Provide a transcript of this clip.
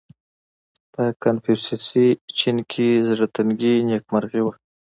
• په کنفوسیوسي چین کې زړهتنګي نېکمرغي وه.